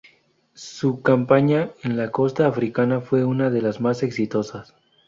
Su campaña en la costa africana fue una de las más exitosas.